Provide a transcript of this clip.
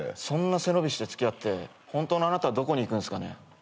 そんな背伸びして付き合って本当のあなたはどこに行くんすかね？